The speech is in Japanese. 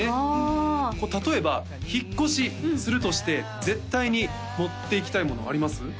例えば引っ越しするとして絶対に持っていきたいものあります？